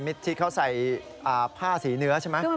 ภาพสีเนื้อใช่ไหม